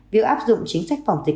việc áp dụng chính sách phòng dịch